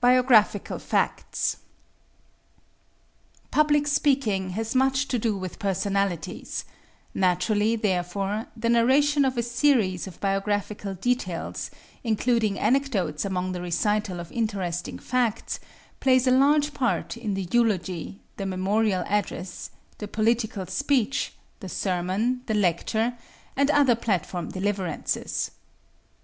Biographical Facts Public speaking has much to do with personalities; naturally, therefore, the narration of a series of biographical details, including anecdotes among the recital of interesting facts, plays a large part in the eulogy, the memorial address, the political speech, the sermon, the lecture, and other platform deliverances.